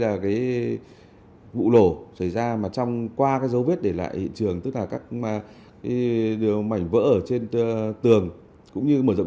là vụ lổ xảy ra mà qua dấu vết để lại hiện trường tức là các mảnh vỡ ở trên tường cũng như mở rộng